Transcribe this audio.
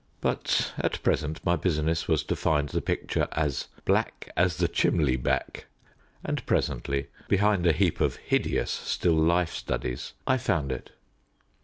But at present my business was to find the picture as "black as the chimley back;" and presently, behind a heap of hideous still life studies, I found it.